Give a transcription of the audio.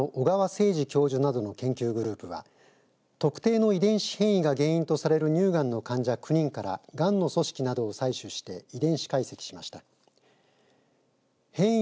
京都大学大学院医学研究科の小川誠司教授などの研究グループは特定の遺伝子変異が原因とされる乳がんの患者９人からがんの組織などを採取して遺伝子解析しました。